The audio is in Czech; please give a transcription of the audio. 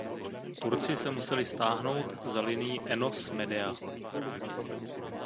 Turci se museli stáhnout za linii Enos–Medea.